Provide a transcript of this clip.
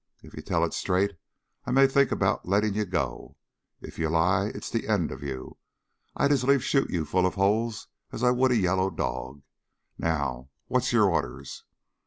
If you tell it straight, I may think about letting you go. If you lie it's the end of you. I'd as lief shoot you full of holes as I would a yellow dog. Now what's your orders?"